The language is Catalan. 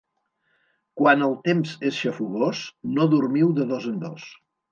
Quan el temps és xafogós, no dormiu de dos en dos.